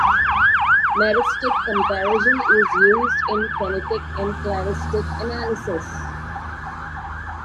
Meristic comparison is used in phenetic and cladistic analysis.